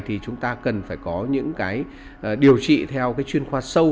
thì chúng ta cần phải có những điều trị theo chuyên khoa sâu